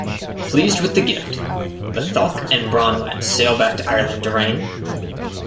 Pleased with the gift, Matholwch and Branwen sail back to Ireland to reign.